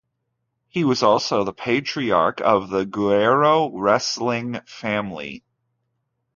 He was also the patriarch of the Guerrero wrestling family.